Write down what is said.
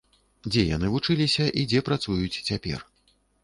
Дзе яны вучыліся і дзе працуюць цяпер?